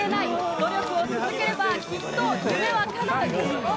努力を続ければ、きっと夢はかなう。